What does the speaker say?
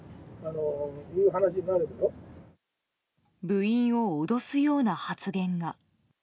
部員を脅すような発言が。